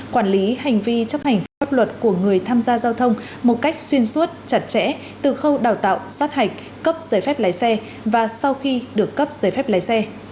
quản lý hành vi chấp hành pháp luật của người tham gia giao thông một cách xuyên suốt chặt chẽ từ khâu đào tạo sát hạch cấp giấy phép lái xe và sau khi được cấp giấy phép lái xe